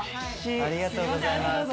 ありがとうございます。